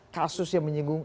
kasus yang menyinggung